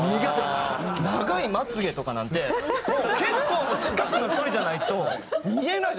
長いまつ毛とかなんてもう結構近くの距離じゃないと見えない。